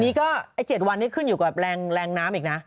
นี่ก็ไอ้๗วันนี้ขึ้นอยู่กับแรงน้ำอีกนะ